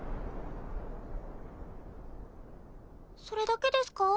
それだけですか？